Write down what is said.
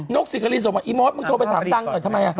กสิกรินส่งมาอีมดมึงโทรไปถามดังหน่อยทำไม